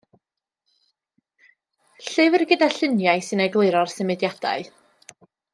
Llyfr gyda lluniau yn egluro'r symudiadau.